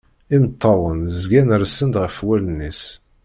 Imeṭṭawen zgan rsen-d ɣef wallen-is.